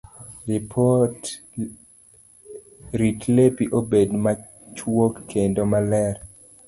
Rit lepi obed machuok kendo maler.